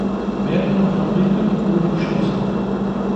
Mehrere Fabriken wurden geschlossen.